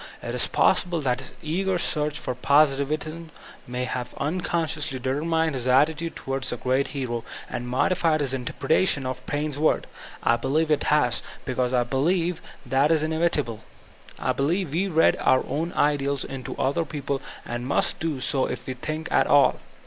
It is possible that his eager search for positivism may have uncon sdoosly determined his attitude towards the great hero, and modified his interpretation of Paine's words. I be lieve it has ; because I believe thai is inevitable, I believe we read our own ideals into other people, and must do so if we think at all.